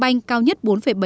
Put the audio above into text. banh cao nhất bốn bảy mươi năm